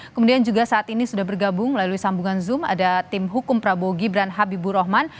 kemudian juga saat ini sudah bergabung melalui sambungan zoom ada tim hukum prabowo gibran habibur rahman